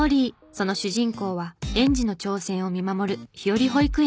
その主人公は園児の挑戦を見守るひより保育園。